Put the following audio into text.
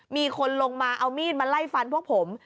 มีคนลงมาเอามีดมาไล่ฟันพวกผม